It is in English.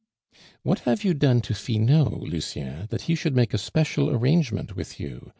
"What have you done to Finot, Lucien, that he should make a special arrangement with you?